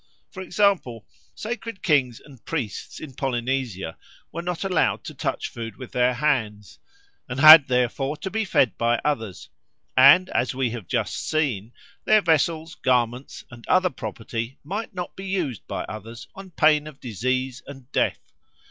For example, sacred kings and priests in Polynesia were not allowed to touch food with their hands, and had therefore to be fed by others; and as we have just seen, their vessels, garments, and other property might not be used by others on pain of disease and death.